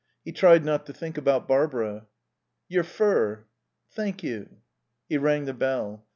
He tried not to think about Barbara. "Your fur." "Thank you." He rang the bell.